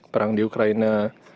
perang di ukraina